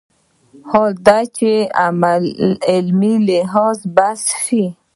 حال دا چې علمي لحاظ بحث وشي